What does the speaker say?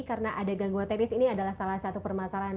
karena ada gangguan teknis ini adalah salah satu permasalahan